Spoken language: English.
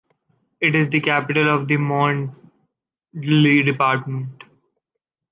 It is the capital of the Mont d’Illi department.